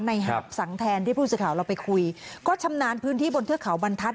หาบสังแทนที่ผู้สื่อข่าวเราไปคุยก็ชำนาญพื้นที่บนเทือกเขาบรรทัศน